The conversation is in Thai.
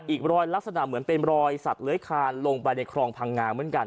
อีกรอยลักษณะเหมือนเป็นรอยสัตว์เลื้อยคานลงไปในคลองพังงาเหมือนกัน